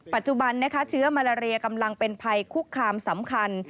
ปัจจุบันเชื้อมาลาเรียกำลังเป็นภัยคุกคามสำคัญ